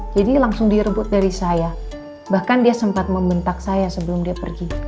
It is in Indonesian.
jadi langsung direbut dari saya bahkan dia sempat membentak saya sebelum dia pergi